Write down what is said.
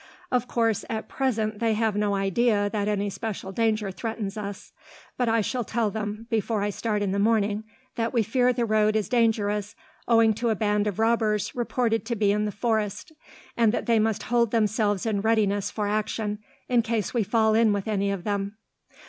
Of course, at present they have no idea that any special danger threatens us; but I shall tell them, before I start in the morning, that we fear the road is dangerous owing to a band of robbers reported to be in the forest, and that they must hold themselves in readiness for action, in case we fall in with any of them.